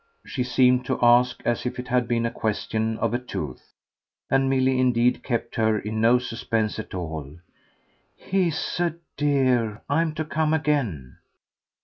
she seemed to ask as if it had been a question of a tooth; and Milly indeed kept her in no suspense at all. "He's a dear. I'm to come again."